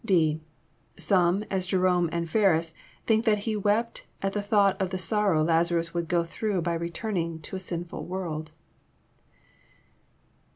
(d) Some, as Jerome and Ferns, think that He wept at the thought of the sorrow Lazarus would go through by returning to a sinftil world.